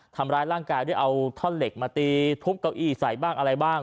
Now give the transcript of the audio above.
ทำร้ายร่างกายด้วยเอาท่อนเหล็กมาตีทุบเก้าอี้ใส่บ้างอะไรบ้าง